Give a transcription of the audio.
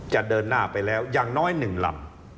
จะเดินหน้าไปแล้วอย่างน้อย๑ลำ